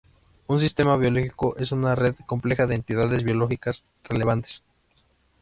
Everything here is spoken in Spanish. Un sistema biológico es una red compleja de entidades biológicas relevantes.